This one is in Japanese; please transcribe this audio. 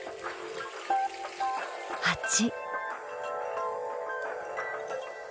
ハチ。